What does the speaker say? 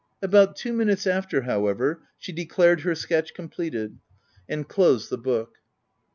About two minutes after, however, she de clared her sketch completed and closed the book.